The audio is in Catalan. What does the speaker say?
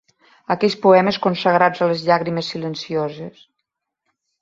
Aquells poemes consagrats a les llàgrimes silencioses